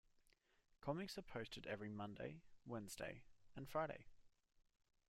Comics are posted every Monday, Wednesday, and Friday.